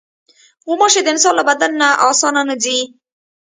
غوماشې د انسان له بدن نه اسانه نه ځي.